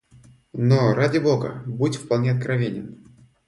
Но, ради Бога, будь вполне откровенен.